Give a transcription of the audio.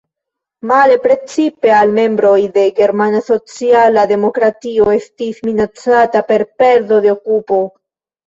Male precipe al membroj de germana sociala demokratio estis minacata per perdo de okupo.